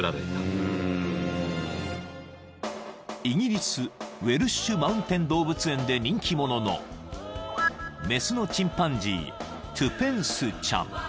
［イギリスウェルッシュ・マウンテン動物園で人気者の雌のチンパンジートゥペンスちゃん］